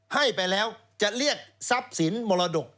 ให้ไปแล้วจะเรียกทรัพย์สินมรดก